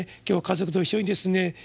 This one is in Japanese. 今日は家族と一緒にですね